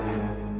kamu ini berbicara